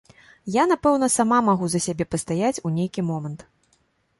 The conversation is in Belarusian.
Я, напэўна, сама магу за сябе пастаяць у нейкі момант.